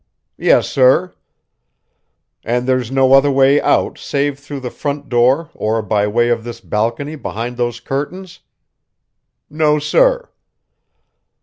"Yes, sir." "And there's no other way out save through the front door or by way of this balcony behind those curtains?" "No, sir."